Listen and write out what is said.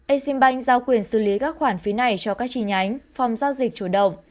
exim bank giao quyền xử lý các khoản phí này cho các chi nhánh phòng giao dịch chủ động